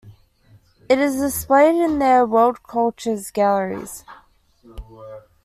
It is displayed in their World Cultures galleries.